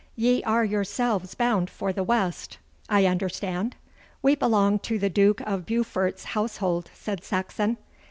Ye are yourselves bound for the West, I understand?' 'We belong to the Duke of Beaufort's household,' said Saxon.